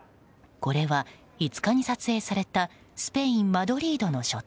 これは、５日に撮影されたスペイン・マドリードの書店。